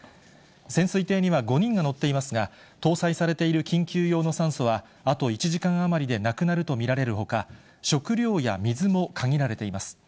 潜水艇には５人が乗っていますが、搭載されている緊急用の酸素はあと１時間余りでなくなると見られるほか、食料や水も限られています。